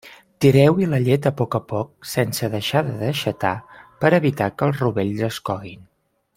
Tireu-hi la llet a poc a poc, sense deixar de deixatar, per a evitar que els rovells es coguin.